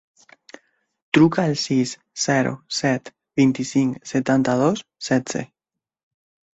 Truca al sis, zero, set, vint-i-cinc, setanta-dos, setze.